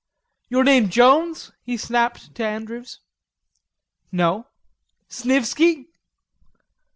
"Your name Jones?" he snapped to Andrews. "No." "Snivisky?"